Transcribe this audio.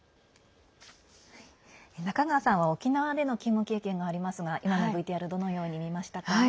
中川さんは沖縄での勤務経験がありますが今のＶＴＲどのように見ましたか？